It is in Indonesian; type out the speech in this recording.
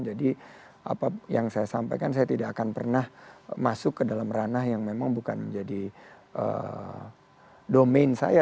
jadi apa yang saya sampaikan saya tidak akan pernah masuk ke dalam ranah yang memang bukan menjadi domain saya